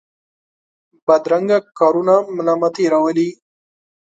بدرنګه کارونه ملامتۍ راولي